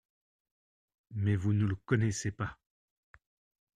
Mais vous ne le connaissez pas…